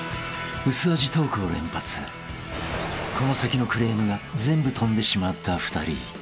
［薄味トークを連発］［この先のクレームが全部飛んでしまった２人］